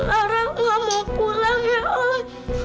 lara nggak mau pulang ya allah